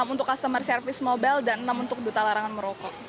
enam untuk customer service mobile dan enam untuk duta larangan merokok